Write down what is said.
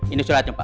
ini suratnya pak